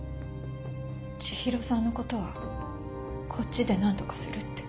千尋さんの事はこっちでなんとかするって。